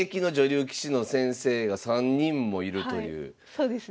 そうですね。